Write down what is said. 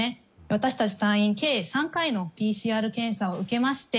私たち隊員、計３回のＰＣＲ検査を受けまして